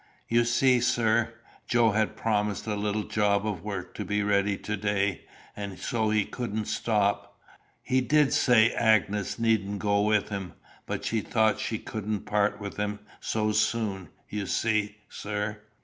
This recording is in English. "You see, sir, Joe had promised a little job of work to be ready to day, and so he couldn't stop. He did say Agnes needn't go with him; but she thought she couldn't part with him so soon, you see, sir."